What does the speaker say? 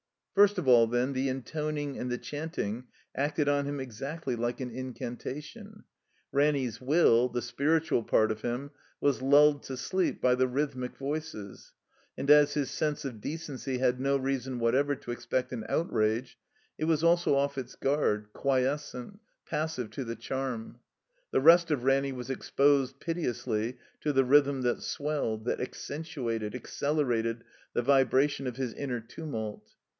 First of all, then, the intoning and the chanting acted on him exactly like an incantation. Ranny's wiQ, the spiritual part of him, was lulled to sleep by the rhythmic voices, and as his sense of decency had no reason whatever to expect an outrage, it was also off its guard, quiescent, passive to the charm. The rest of Ranny was exposed, piteously, to the rhythm that swelled, that accentuated, ac celerated the vibration of his inner tiunult.